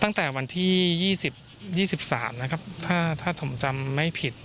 ตั้งแต่วันที่๒๓นะครับถ้าผมจำไม่ผิด